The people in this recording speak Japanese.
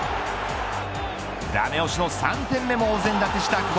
ダメ押しの３点目もお膳立てした久保。